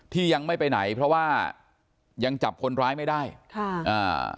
ที่ยังไม่ไปไหนเพราะว่ายังจับคนร้ายไม่ได้ค่ะอ่า